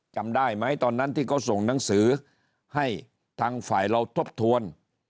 จำได้ไหมตอนนั้นที่เขาส่งหนังสือให้ทางฝ่ายเราทบทวน